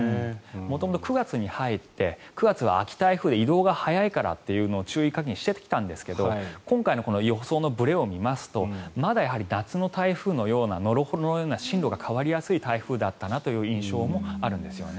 元々９月に入って９月は秋台風で移動が速いからという注意喚起をしていたんですが今回の予想のぶれを見ますとまだやはり夏の台風のような進路が変わりやすい台風だったなという印象もあるんですね。